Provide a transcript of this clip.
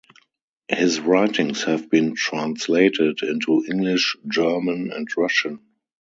His writings have been translated into English, German, and Russian.